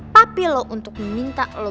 papi lo untuk minta lo